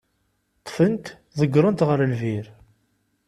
Ṭṭfen-t, ḍeggren-t ɣer lbir.